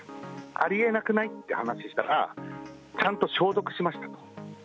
ありえなくない？って話したら、ちゃんと消毒しましたと。